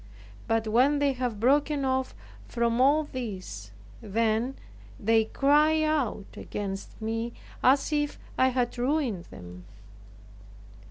But when they have broken off from all this, then they cry out against me, as if I had ruined them.